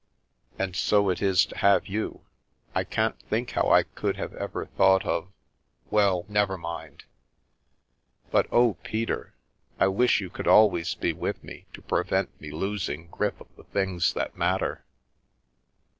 " And so it is to have you. I can't think how I could have ever thought of — well, never mind. But, oh, Peter, I wish you could always be with me to prevent me losing grip of the things that matter.